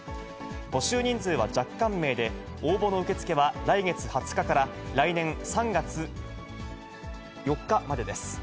募集人数は若干名で、応募の受け付けは、来月２０日から来年３月４日までです。